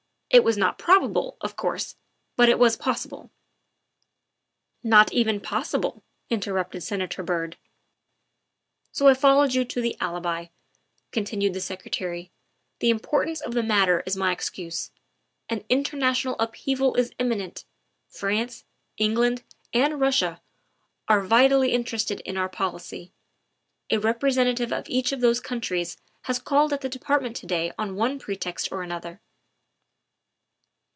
It was not probable, of course, but it was possible." THE SECRETARY OF STATE 19 '' Not even possible, '' interrupted Senator Byrd. " So I followed you to the Alibi," continued the Sec retary; " the importance of the matter is my excuse. An international upheaval is imminent. France, Eng land, and Russia are vitally interested in our policy; a representative of each of those countries has called at the Department to day on one pretext or another.